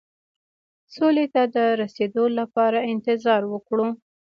سولې ته د رسېدو لپاره انتظار وکړو.